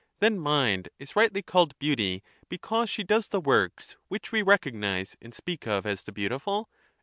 Then mind is rightly called beauty because she does the works which we recognize and speak of as the beautiful?